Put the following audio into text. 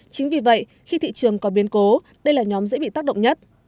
chính vì vậy khi thị trường có biến cố đây là nhóm dễ bị tác động nhất